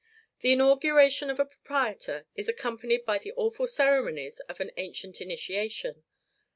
The inauguration of a proprietor is accompanied by the awful ceremonies of an ancient initiation.